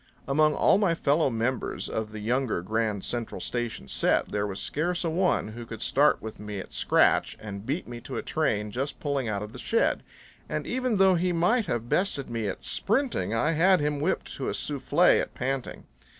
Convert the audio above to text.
Among all my fellow members of the younger Grand Central Station set there was scarce a one who could start with me at scratch and beat me to a train just pulling out of the shed; and even though he might have bested me at sprinting, I had him whipped to a soufflé at panting.